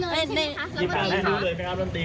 ใช่ไหมคะแล้วมันตรีค่ะแล้วมันตรีค่ะแล้วมันตรีค่ะแล้วมันตรีค่ะ